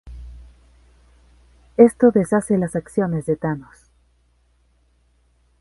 Esto deshace las acciones de Thanos.